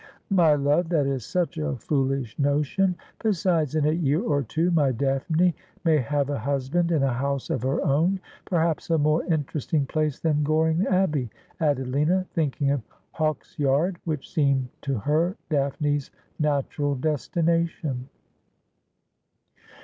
' My love, that is such a foolish notion. Besides, in a year or two my Daphne may have a husband and a house of her own — perhaps a more interesting place then Goring Abbey,' added Lina, thinking of Hawksyard, which seemed to her Daphne's natural destination.